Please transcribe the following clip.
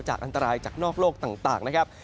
อันตรายจากนอกโลกต่างนะครับ